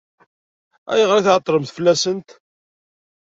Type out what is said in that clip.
Ayɣer i tɛeṭṭlem fell-asent?